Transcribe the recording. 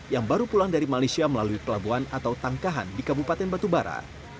yang baru pulang dari malaysia melalui pelabuhan atau tangkahan di kabupaten batubara